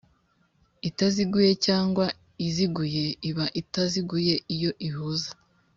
itaziguye cyangwa iziguye Iba itaziguye iyo ihuza